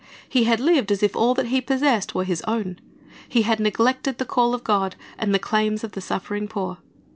He had lived as if all that he possessed were his own. He had neglected the call of God and the claims of the suffering poor.